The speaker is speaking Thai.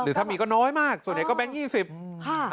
หรือถ้ามีก็น้อยมากส่วนใหญ่ก็แบงก์ยี่สิบค่ะ